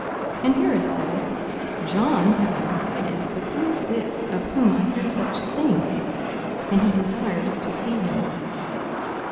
42:009:009 And Herod said, John have I beheaded: but who is this, of whom I hear such things? And he desired to see him.